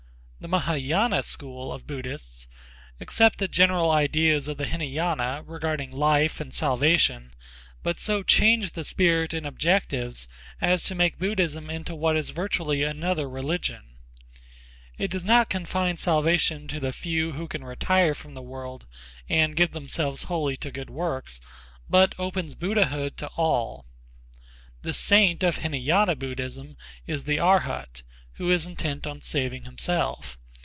The Mahâyâna school of Buddhists accept the general ideas of the Hinayana regarding life and salvation, but so change the spirit and objectives as to make Buddhism into what is virtually another religion. It does not confine salvation to the few who can retire from the world and give themselves wholly to good works, but opens Buddhahood to all. The "saint" of Hinayana Buddhism is the arhat who is intent on saving himself.